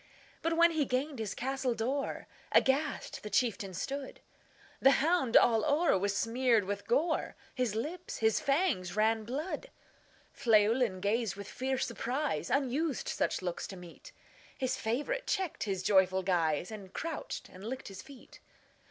But, when he gained his castle door, Aghast the chieftain stood; The hound all o'er was smeared with gore, His lips, his fangs, ran blood. Llewelyn gazed with fierce surprise; Unused such looks to meet, His favorite checked his joyful guise, And crouched and licked his feet.